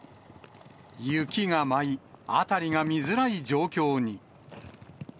雪が舞い、辺りが見づらい状況に。